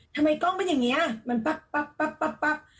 ทำไมกล้องเป็นอย่างนี้มันปั๊บ